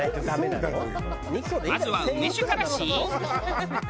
まずは梅酒から試飲。